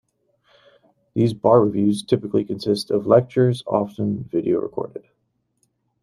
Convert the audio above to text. These bar reviews typically consist of lectures, often video recorded.